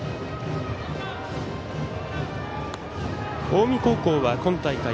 近江高校は今大会